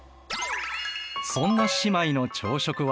そんな姉妹の朝食は？